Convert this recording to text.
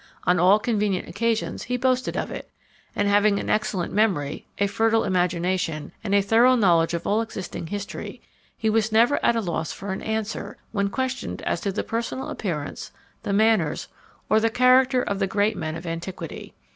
On all convenient occasions, he boasted of it; and having an excellent memory, a fertile imagination, and a thorough knowledge of all existing history, he was never at a loss for an answer when questioned as to the personal appearance, the manners, or the character of the great men of antiquity.